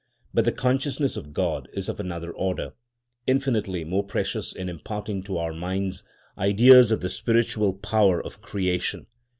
But the consciousness of God is of another order, infinitely more precious in imparting to our minds ideas of the spiritual power of creation.